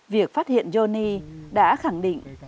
việc phát hiện yoni đã khẳng định